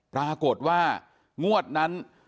ปรากฏว่างวดนั้น